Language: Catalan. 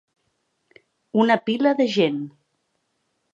Una pila de gent.